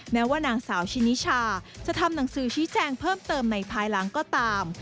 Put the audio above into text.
แม้ว่านางสาวชินิชาจะทำหนังสือชี้แจงเพิ่มเติมในภายหลังก็ตาม